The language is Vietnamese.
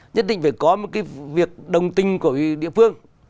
nhất định phải có một cái việc đồng tình của địa phương